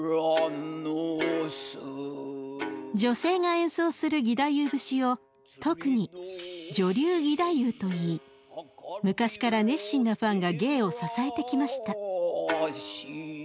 女性が演奏する義太夫節を特に「女流義太夫」と言い昔から熱心なファンが芸を支えてきました。